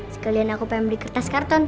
sekalian aku pengen beli kertas karton